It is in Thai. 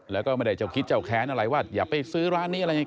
แล้วก็ไม่ได้เจ้าคิดเจ้าแค้นอะไรว่าอย่าไปซื้อร้านนี้อะไรยังไง